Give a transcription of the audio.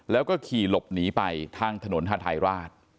แล้วก็ขี่หลบหนีไปทางถนนฮาทายราช